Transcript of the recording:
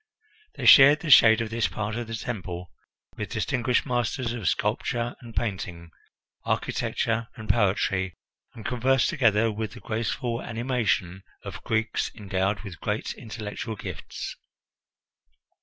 They shared the shade of this part of the temple with distinguished masters of sculpture and painting, architecture and poetry, and conversed together with the graceful animation of Greeks endowed with great intellectual gifts.